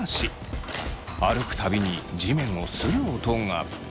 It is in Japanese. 歩く度に地面をする音が。